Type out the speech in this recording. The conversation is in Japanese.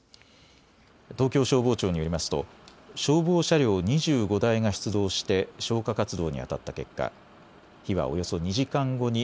東京消防庁によりますと消防車両２５台が出動して消火活動にあたった結果、火はおよそ２時間後に